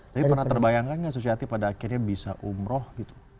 tapi pernah terbayangkan nggak susiati pada akhirnya bisa umroh gitu